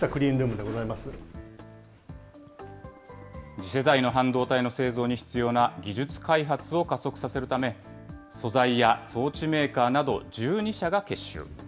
次世代の半導体の製造に必要な技術開発を加速させるため、素材や装置メーカーなど、１２社が結集。